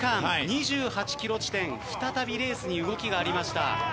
２８キロ地点再びレースに動きがありました。